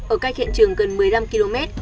ở cách hiện trường gần một mươi năm km